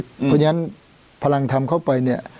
เพราะฉะนั้นพลังทำเข้าไปเนี่ย